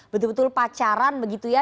betul betul pacaran begitu ya